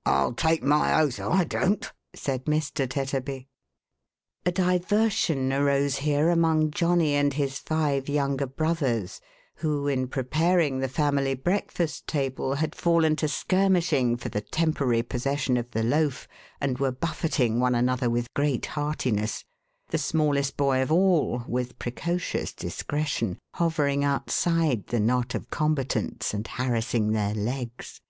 " I'll take my oath / don't," said Mr. Tetterby. A diversion arose here among Johnny and his five younger brothers, who, in preparing the family breakfast table, had fallen to skirmishing for the temporary possession of the loaf, and were buffeting one another with great heartiness ; the smallest boy of all, with precocious discretion, hovering out side the knot of combatants, and harassing their legs.